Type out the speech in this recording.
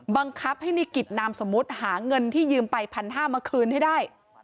บังคับให้ในกิจนามสมมุติหาเงินที่ยืมไป๑๕๐๐มาคืนให้ได้